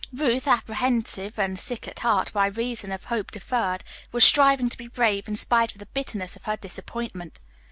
Ruth, apprehensive and sick at heart, by reason of hope deferred, was striving to be brave in spite of the bitterness of her disappointment.